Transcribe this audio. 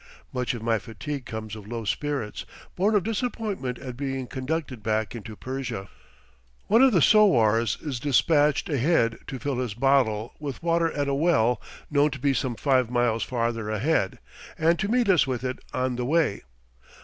Much of my fatigue comes of low spirits, born of disappointment at being conducted back into Persia. One of the sowars is despatched ahead to fill his bottle with water at a well known to be some five miles farther ahead, and to meet us with it on the way.